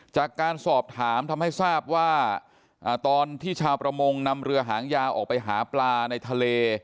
จากการสอบถามทำให้ทราบว่าตอนที่ชาวประมงนำเรือหางยาวออกไปหาปลาในทะเล